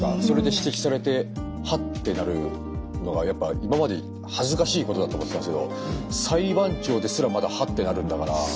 それで指摘されてハッてなるのがやっぱ今まで恥ずかしいことだと思ってたんですけど裁判長ですらまだハッてなるんだから。